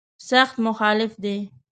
سخت مخالف دی.